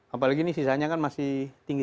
apalagi ini sisanya kan masih tinggi